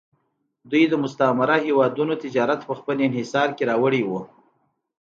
دوی د مستعمره هېوادونو تجارت په خپل انحصار کې راوړی و